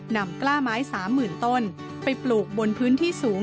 กล้าไม้๓๐๐๐ต้นไปปลูกบนพื้นที่สูง